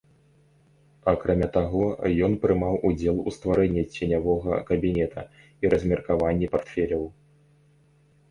Акрамя таго, ён прымаў удзел у стварэнні ценявога кабінета і размеркаванні партфеляў.